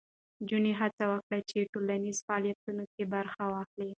نجونې هڅه وکړي چې په ټولنیزو فعالیتونو کې برخه واخلي.